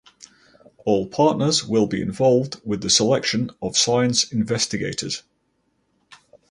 All partners will be involved with the selection of science investigators.